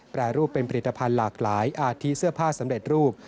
แปรรูปเป็นผลิตภัณฑ์หลากหลายอาทิตเสื้อผ้าสำเร็จรูป